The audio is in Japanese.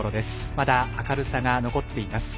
まだ明るさが残っています。